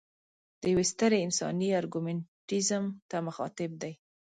د یوې سترې انساني ارګومنټیزم ته مخاطب دی.